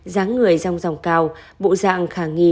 dáng người rong ròng cao bộ dạng khả nghi